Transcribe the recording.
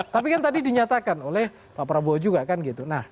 tapi kan tadi dinyatakan oleh pak prabowo juga kan gitu